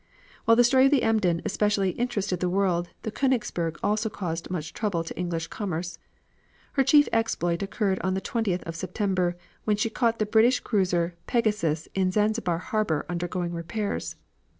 While the story of the Emden especially interested the world, the Koenigsberg also caused much trouble to English commerce. Her chief exploit occurred on the 20th of September, when she caught the British cruiser Pegasus in Zanzibar harbor undergoing repairs.